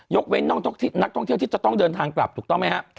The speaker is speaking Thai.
เว้นนักท่องเที่ยวที่จะต้องเดินทางกลับถูกต้องไหมครับ